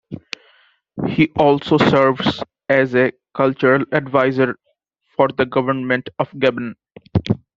He also serves as a cultural advisor for the government of Gabon.